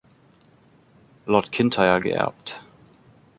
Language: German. Lord Kintyre geerbt.